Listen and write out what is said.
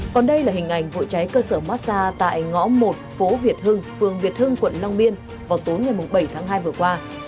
còn đây là hình ảnh vụ cháy cơ sở massage tại ngõ một phố việt hưng phường việt hưng quận long biên vào tối ngày bảy tháng hai vừa qua